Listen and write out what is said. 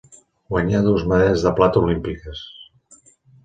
Guanyà dues medalles de plata olímpiques.